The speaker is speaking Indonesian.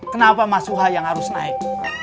kenapa masuha yang harus naik